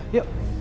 yuk duduk yuk